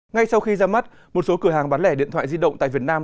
ngay sau khi ra mắt một số cửa hàng bán lẻ điện thoại di động tại việt nam